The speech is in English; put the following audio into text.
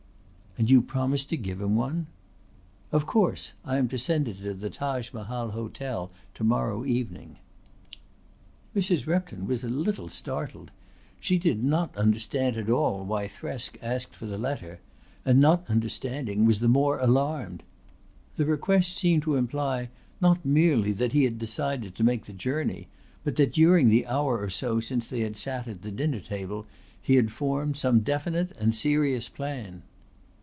"And you promised to give him one?" "Of course. I am to send it to the Taj Mahal hotel to morrow morning." Mrs. Repton was a little startled. She did not understand at all why Thresk asked for the letter and, not understanding, was the more alarmed. The request seemed to imply not merely that he had decided to make the journey but that during the hour or so since they had sat at the dinner table he had formed some definite and serious plan.